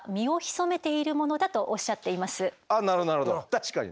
確かにね。